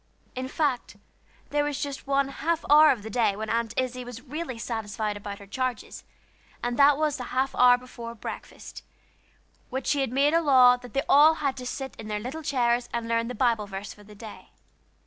In fact, there was just one half hour of the day when Aunt Izzie was really satisfied about her charges, and that was the half hour before breakfast, when she had made a law that they were all to sit in their little chairs and learn the Bible verse for the day.